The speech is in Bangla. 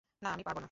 না, আমি পারব না।